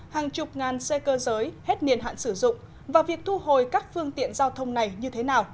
hàng chục ngàn xe cơ giới hết niên hạn sử dụng và việc thu hồi các phương tiện giao thông này như thế nào